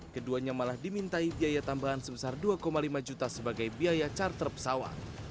keduanya malah dimintai biaya tambahan sebesar dua lima juta sebagai biaya charter pesawat